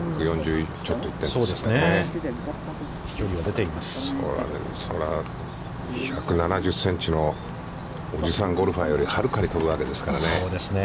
１７０センチのおじさんゴルファーよりはるかに飛ぶわけですからね。